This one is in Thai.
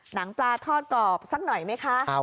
หนังปลาทอดกรอบสักหน่อยไหมคะ